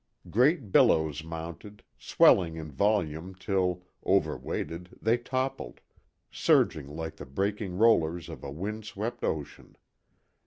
Great billows mounted, swelling in volume till, overweighted, they toppled, surging like the breaking rollers of a wind swept ocean.